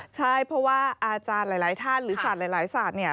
ใช่เพราะว่าอาจารย์หลายท่านหรือสัตว์หลายสัตว์